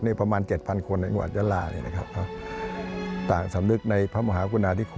นี่ประมาณ๗๐๐๐คนในจังหวัดยัลล่านี่นะครับ